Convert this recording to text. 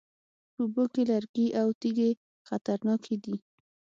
په اوبو کې لرګي او تیږې خطرناکې دي